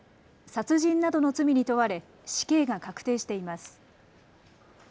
殺人などの罪に問われ死刑が確定しています。